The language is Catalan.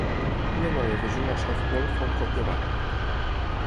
Una noia que juga a softbol fa un cop de bat.